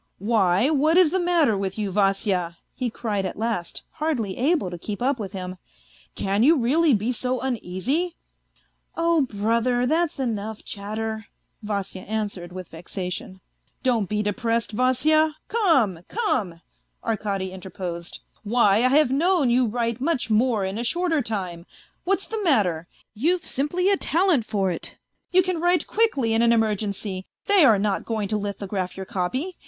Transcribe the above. "Why, what is the matter with you, Vasya] " he cried at last, hardly able to keep up with him. " Can you really be so uneasy ?"" Oh, brother, that's enough chatter !" Vasya answered, with vexation. " Don't be depressed, Vasya come, come," Arkady interposed. " Why, I have known you write much more in a shorter time ! What's the matter ? You've simply a talent for it ! You can write quickly in an emergency ; they are not going to lithograph your copy.